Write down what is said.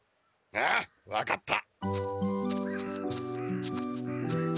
ああ分かった。